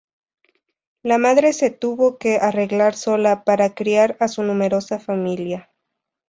La madre se tuvo que arreglar sola para criar a su numerosa familia.